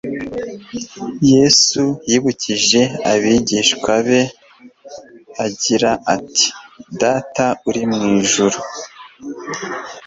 Yesu yibukije abigishwa be agira ati : "Data uri mu ijuru"